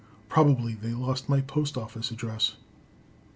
Probably they lost my post office address.